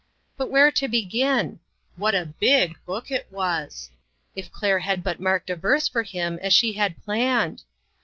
But where to begin ? What a big book it was ! If Clare had but marked a verse for him as she had planned